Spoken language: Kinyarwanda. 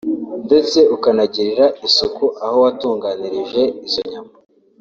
ndetse ukanagirira isuku aho watunganirije izo nyama